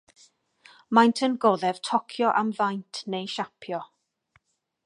Maent yn goddef tocio am faint neu siapio.